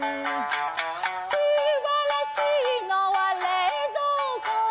素晴らしいのは冷蔵庫